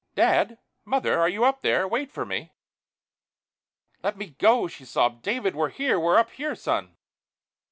"Dad?... Mother?... Are you up there? Wait for me." "Let me go!" she sobbed. "David, we're here! We're up here, son!"